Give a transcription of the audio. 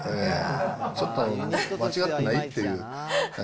ちょっと、間違ってない？っていう。